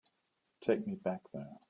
Take me back there.